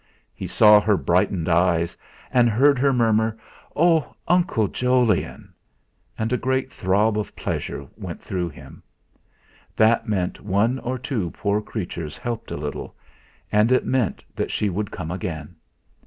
He saw her brightened eyes, and heard her murmur: "Oh! Uncle Jolyon!" and a real throb of pleasure went through him. That meant one or two poor creatures helped a little, and it meant that she would come again.